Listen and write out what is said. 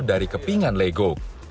dari kepingan lego